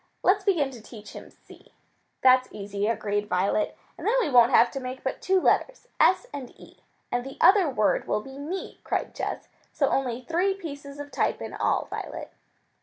Let's begin to teach him see." "That's easy," agreed Violet. "And then we won't have to make but two letters, s and e." "And the other word will be me," cried Jess. "So only three pieces of type in all, Violet."